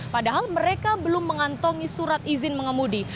padahal mereka belum mengantongi surat izin mengemudi